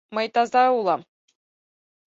Мый таза улам.